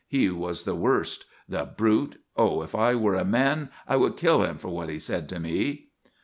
He was the worst. The brute! oh, if I were a man! I would kill him for what he said to me!"